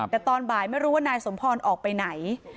แต่ตอนบ่ายไม่รู้ว่านายสมพรออกไปไหน